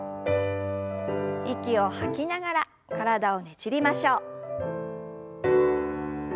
息を吐きながら体をねじりましょう。